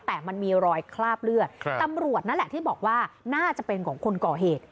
แต่มันมีรอยคราบเลือดตำรวจนั่นแหละที่บอกว่าน่าจะเป็นของคนก่อเหตุ